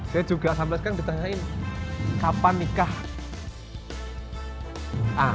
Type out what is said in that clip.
saya juga sampai sekarang ditanyain kapan nikah